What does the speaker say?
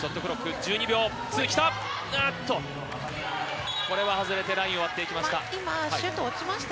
１２秒、きた、あっと、これは外れてラインを割っていきました。